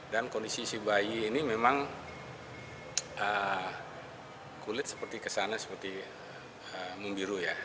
dan kondisi si bayi ini memang kulit seperti kesana seperti membiru ya